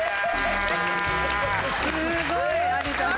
すごい有田さん。